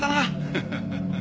ハハハハ。